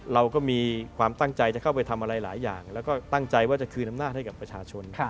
เราก็มีความตั้งใจจะเข้าไปทำอะไรหลายอย่างแล้วก็ตั้งใจว่าจะคืนอำนาจให้กับประชาชน